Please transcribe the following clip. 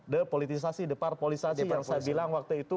departpolisasi yang saya bilang waktu itu